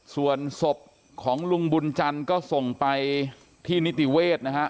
ส่วนศพของลุงบุญจันทร์ก็ส่งไปที่นิติเวศนะฮะ